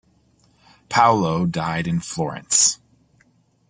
Paolo died in Florence.